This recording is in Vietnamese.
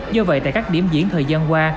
do vậy tại các điểm diễn thời gian qua